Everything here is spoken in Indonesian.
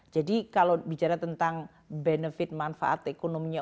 jadi kalau bicara tentang benefit manfaat ekonominya